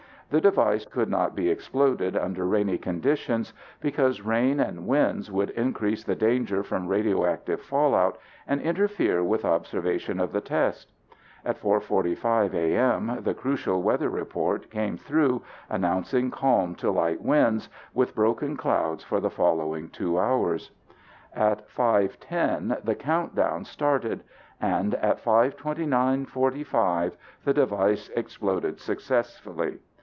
The device could not be exploded under rainy conditions because rain and winds would increase the danger from radioactive fallout and interfere with observation of the test. At 4:45 a.m. the crucial weather report came through announcing calm to light winds with broken clouds for the following two hours. At 5:10 the countdown started and at 5:29:45 the device exploded successfully.